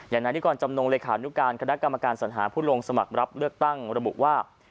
นานิกรจำนงเลขานุการคณะกรรมการสัญหาผู้ลงสมัครรับเลือกตั้งระบุว่า